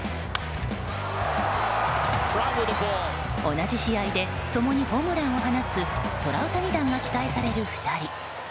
同じ試合で共にホームランを放つトラウタニ弾が期待される２人。